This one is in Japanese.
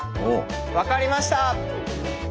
分かりました！